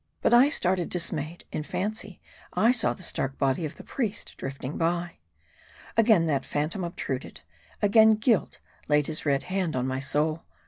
But I started dismayed ; in fancy, I saw the stark body of the priest drifting by. Again that phantom obtruded ; again guilt laid his red hand on my soul.